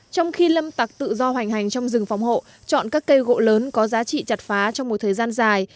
trong khi lâm tặc tự do hoành hành trong rừng phòng hộ chọn các cây gỗ lớn có giá trị chặt phá trong một thời gian dài